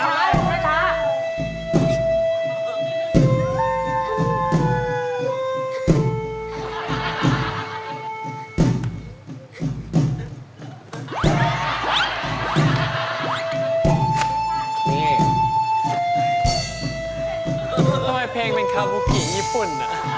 ทำไมเพลงเป็นคาบูกิญี่ปุ่น